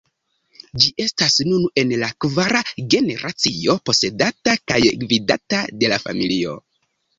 Ĝi estas nun en la kvara generacio posedata kaj gvidata de la familio.